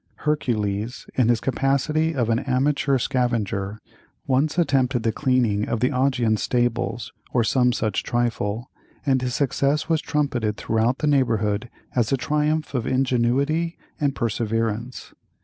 Hercules, in his capacity of an amateur scavenger, once attempted the cleaning of the Augean stables, or some such trifle, and his success was trumpeted throughout the neighborhood as a triumph of ingenuity and perseverance.